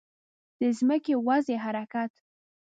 د ځمکې وضعي حرکت